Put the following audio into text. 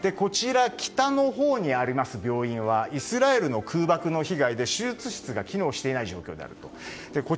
北のほうにある病院はイスラエルの空爆の被害で手術室が機能していない状況だと。